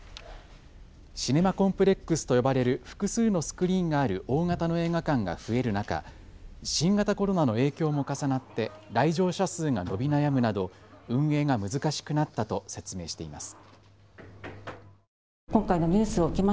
シネマコンプレックスと呼ばれる複数のスクリーンがある大型の映画館が増える中、新型コロナの影響も重なって来場者数が伸び悩むなど運営が難しくなったと説明しています。